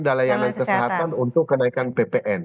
dan layanan kesehatan untuk kenaikan ppn